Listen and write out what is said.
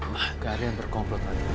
gak kalian berkomplotan